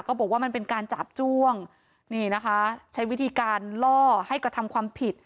บอกว่ามันเป็นการจาบจ้วงนี่นะคะใช้วิธีการล่อให้กระทำความผิด